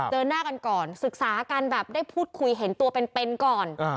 เจอหน้ากันก่อนศึกษากันแบบได้พูดคุยเห็นตัวเป็นก่อน